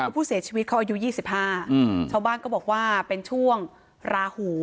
คือผู้เสียชีวิตเขาอายุ๒๕ชาวบ้านก็บอกว่าเป็นช่วงราหู